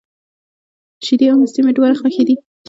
شیدې او مستې مي دواړي خوښي دي.